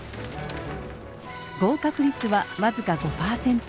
合格率は僅か５％。